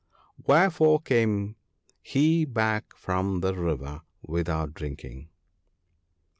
'Wherefore came He back from the river without drinking?'